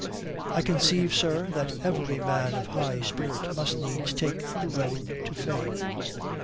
"I conceive, sir, that every man of high spirit must needs take the road to fame."